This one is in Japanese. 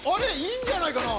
いいんじゃないかな？